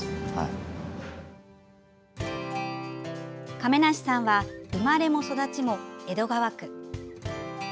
亀梨さんは生まれも育ちも江戸川区。